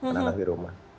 anak anak di rumah